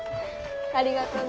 ありがとうね。